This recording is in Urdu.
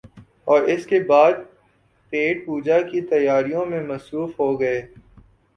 اوراس کے بعد پیٹ پوجا کی تیاریوں میں مصروف ہو گئے ۔